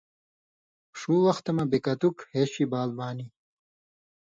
ݜُو وختہ مہ بېکتُک ہیشی بال بانیۡ،